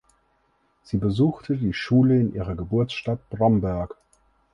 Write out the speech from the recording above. Sie besuchte die Schule in ihrer Geburtsstadt Bromberg.